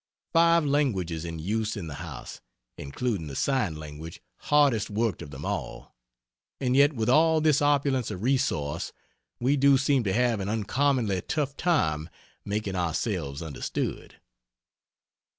Five languages in use in the house (including the sign language hardest worked of them all) and yet with all this opulence of resource we do seem to have an uncommonly tough time making ourselves understood.